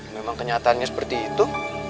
memang kenyataannya seperti itu